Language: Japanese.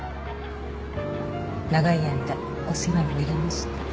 長い間お世話になりました。